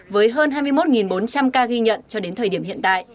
với hơn hai mươi một bốn trăm linh ca ghi nhận cho đến thời điểm hiện tại